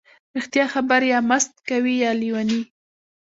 ـ رښتیا خبرې یا مست کوي یا لیوني.